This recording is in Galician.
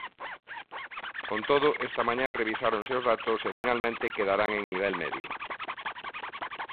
Con todo, esta mañá revisáronse os datos e, finalmente, quedarán en nivel medio.